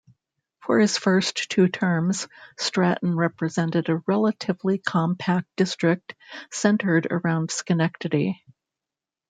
For his first two terms, Stratton represented a relatively compact district centered around Schenectady.